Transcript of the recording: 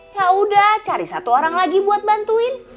yaudah cari satu orang lagi buat bantuin